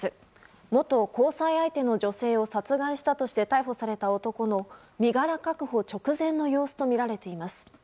元交際相手の女性を殺害したとして逮捕された男の身柄確保直前の様子とみられています。